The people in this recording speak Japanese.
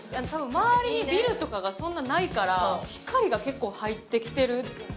周りにビルとかがそんなないから、光が結構入ってきてる。